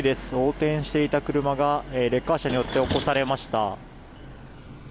横転していた車がレッカー車によって起こされました。